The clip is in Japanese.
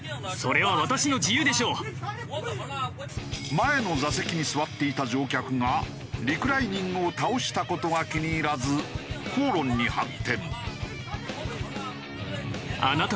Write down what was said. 前の座席に座っていた乗客がリクライニングを倒した事が気に入らず口論に発展。